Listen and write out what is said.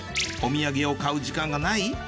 お土産を買う時間がない？